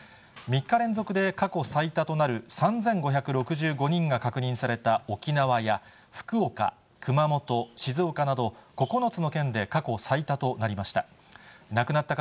３日連続で過去最多となる３５６５人が確認された沖縄や、福岡、熊本、静岡など、９つの県で過去最多となりました。